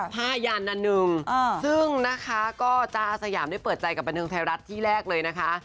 ผ้ายานานหนึ่งซึ่งนะคะก็จ้าอาสยามได้เปิดใจกับบันเทิงไทยรัฐที่แรกเลยนะคะ